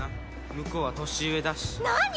向こうは年上だし何？